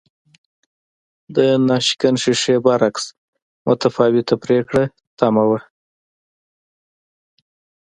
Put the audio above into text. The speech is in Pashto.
د ناشکن ښیښې برعکس متفاوته پرېکړه تمه وه